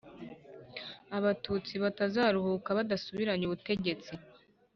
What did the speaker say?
abatutsi batazaruhuka badasubiranye ubutegetsi